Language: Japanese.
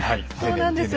そうなんです。